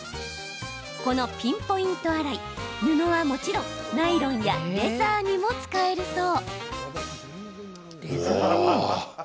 この、ピンポイント洗い布はもちろんナイロンやレザーにも使えるそう。